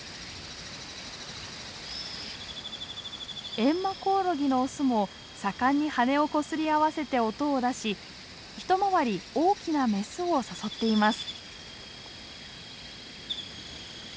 エンマコオロギのオスも盛んに羽をこすり合わせて音を出し一回り大きなメスを誘っています。